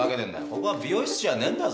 ここは美容室じゃねえんだぞ！